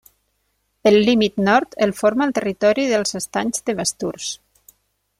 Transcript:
El límit nord el forma el territori dels Estanys de Basturs.